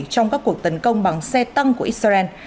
trong các cuộc tấn công bằng xe tăng của israel